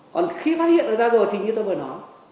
còn khi phát hiện nó ra rồi thì như tôi vừa nói